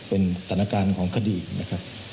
เป็นสถานการณ์ของคดีนะครับ